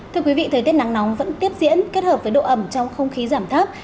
thưa quý vị thời tiết nắng nóng vẫn tiếp diễn kết hợp với độ ẩm trong không khí giảm thấp